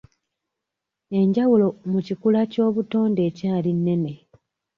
Enjawulo mu kikula ky'obutonde ekyali nnene.